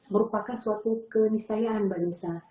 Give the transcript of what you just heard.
merupakan suatu kenisayaan mbak nisa